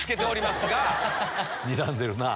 にらんでるなぁ。